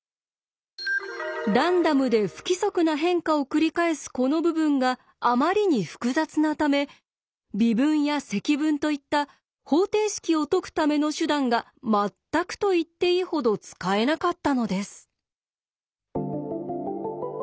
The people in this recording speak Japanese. ランダムで不規則な変化を繰り返すこの部分があまりに複雑なため微分や積分といった方程式を解くための手段が全くと言っていいほど使えなかったのです。